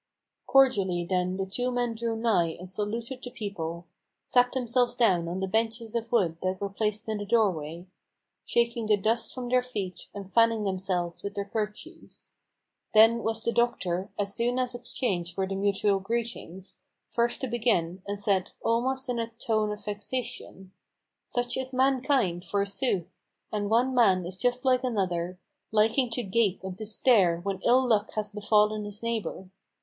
Cordially then the two men drew nigh, and saluted the couple; Sat themselves down on the benches of wood that were placed in the doorway, Shaking the dust from their feet, and fanning themselves with their kerchiefs. Then was the doctor, as soon as exchanged were the mutual greetings, First to begin, and said, almost in a tone of vexation: "Such is mankind, forsooth! and one man is just like another, Liking to gape and to stare when ill luck has befallen his neighbor.